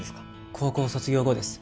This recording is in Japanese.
高校卒業後です